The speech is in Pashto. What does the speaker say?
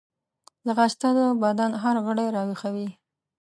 ځغاسته د بدن هر غړی راویښوي